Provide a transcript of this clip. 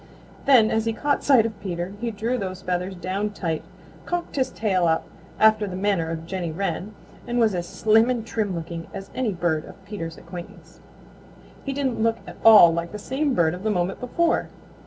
Then as he caught sight of Peter he drew those feathers down tight, cocked his tail up after the manner of Jenny Wren, and was as slim and trim looking as any bird of Peter's acquaintance. He didn't look at all like the same bird of the moment before.